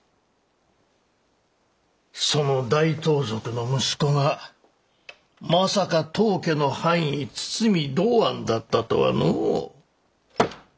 その大盗賊の息子がまさか当家の藩医堤道庵だったとはのう。